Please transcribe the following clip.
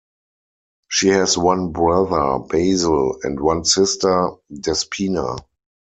She has one brother, Basil, and one sister, Despina.